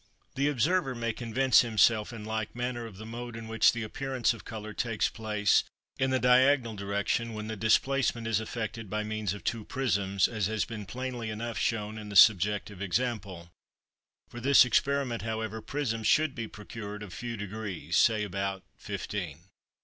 The observer may convince himself in like manner of the mode in which the appearance of colour takes place in the diagonal direction when the displacement is effected by means of two prisms, as has been plainly enough shown in the subjective example; for this experiment, however, prisms should be procured of few degrees, say about fifteen.